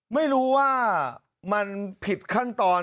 ไม่รู้ว่ามันผิดขั้นตอน